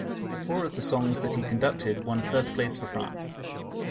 Four of the songs that he conducted won first place for France.